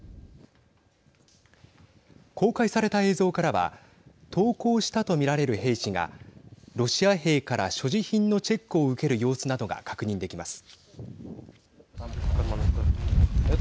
公開された映像からは投降したとみられる兵士がロシア兵から所持品のチェックを受ける様子などが確認できます。